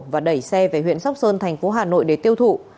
và đẩy xe về huyện sóc sơn thành phố hà nội để tiêu thụ